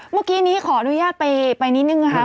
เมื่อกี้นี้ขออนุญาตไปนิดนึงนะคะ